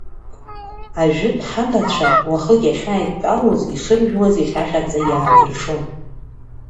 Ажәытә ҳабацәа, уахык иахьааидтәалоз ишыржәуаз иҟьаҟьаӡа иаадыршон.